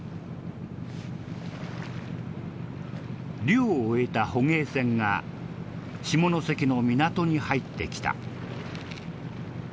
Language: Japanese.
漁を終えた捕鯨船が下関の港に入ってきた。